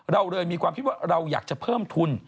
เราเลยมีความคิดว่าเราอยากจะเพิ่มทุน